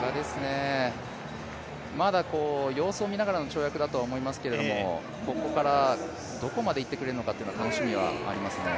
まだ様子を見ながらの跳躍だとは思いますけどここからどこまでいってくれるのかという楽しみはありますね。